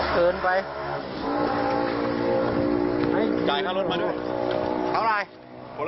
ขอให้ยืนไหมล่ะ